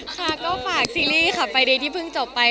ค่ะก็ฝากซีรีส์ค่ะไฟดีที่เพิ่งจบไป